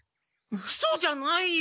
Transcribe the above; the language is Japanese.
うそじゃないよ！